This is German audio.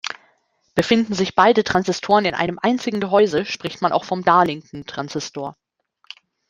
Befinden sich beide Transistoren in einem einzigen Gehäuse, spricht man auch vom Darlington-Transistor.